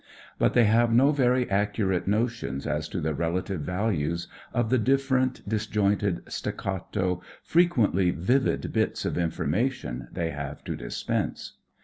But they have no very accurate notions as to the relative values of the different, dis jointed, staccato, frequently vivid bits of information they have to dispense.